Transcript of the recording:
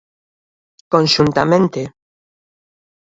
Conxuntamente.